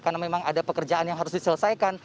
karena memang ada pekerjaan yang harus diselesaikan